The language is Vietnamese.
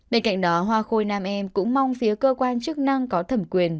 bên cạnh đó hoa khôi nam em cũng mong phía cơ quan chức năng có thẩm quyền